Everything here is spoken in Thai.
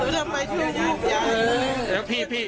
ขอไม่เอาเหน็ตเองขอยายก็ให้นะ